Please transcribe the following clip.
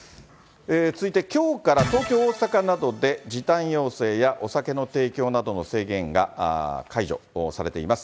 続いて、きょうから東京、大阪などで時短要請やお酒の提供などの制限が解除されています。